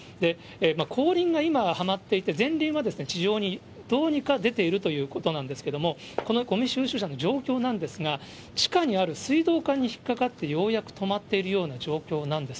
後輪が今はまっていて、前輪は地上に、どうにか出ているということなんですけれども、このごみ収集車の状況なんですが、地下にある水道管に引っ掛かってようやく止まっているような状況なんです。